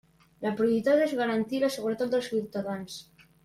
La prioritat és garantir la seguretat dels ciutadans.